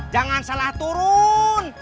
jangan salah turun